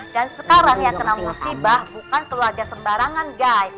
dan sekarang yang kena musibah bukan keluarga sembarangan guys